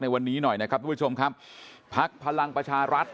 วันนี้หน่อยนะครับทุกผู้ชมครับพักพลังประชารัฐ